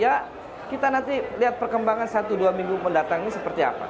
ya kita nanti lihat perkembangan satu dua minggu mendatang ini seperti apa